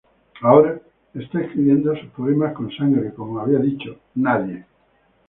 Ahora está escribiendo sus poemas con sangre como había dicho "Nadie".